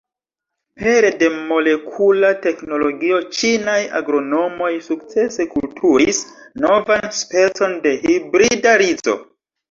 Pere de molekula teknologio ĉinaj agronomoj sukcese kulturis novan specon de hibrida rizo.